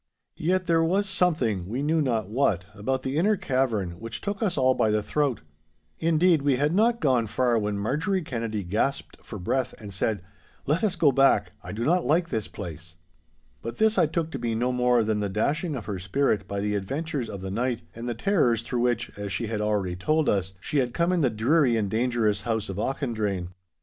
Yet there was something—we knew not what—about the inner cavern which took us all by the throat. Indeed, we had not gone far when Marjorie Kennedy gasped for breath and said, 'Let us go back! I do not like the place! But this I took to be no more than the dashing of her spirit by the adventures of the night, and the terrors through which, as she had already told us, she had come in the dreary and dangerous house of Auchendrayne.